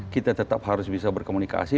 kita tetap harus bisa berkomunikasi